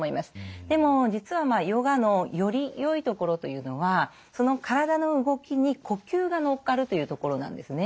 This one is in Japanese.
でも実はヨガのよりよいところというのはその体の動きに呼吸が乗っかるというところなんですね。